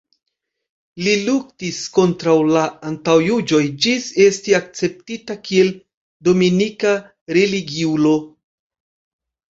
Li luktis kontraŭ la antaŭjuĝoj ĝis esti akceptita kiel dominika religiulo.